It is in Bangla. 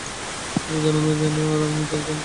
তুমিও জান, আমিও জানি, আমি যা, আমি তাই।